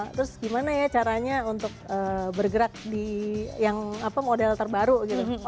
terus gimana ya caranya untuk bergerak di yang model terbaru gitu